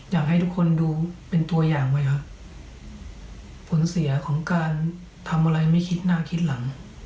อยากให้ทุกคนดูเป็นตัวอย่างไว้ครับผลเสียของการทำอะไรไม่คิดหน้าคิดหลัง